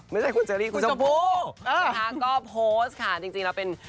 ไม่ใช่คุณเชอรี่คุณชมพู่นะคะก็โพสต์ค่ะจริงเราเป็น